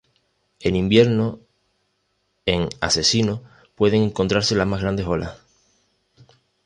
En invierno, en "Asesino", pueden encontrarse las más grandes olas.